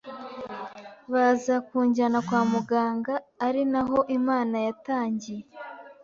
baza kunjyana kwa muganga ari naho Imana yatangiye